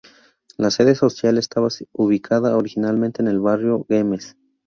La sede social estaba ubicada originalmente en el barrio Güemes.